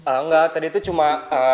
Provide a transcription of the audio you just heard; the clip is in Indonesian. enggak tadi itu cuma